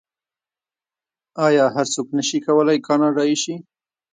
آیا هر څوک نشي کولی کاناډایی شي؟